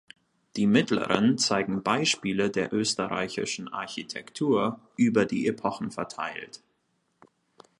Die mittleren zeigen Beispiele der österreichischen Architektur, über die Epochen verteilt.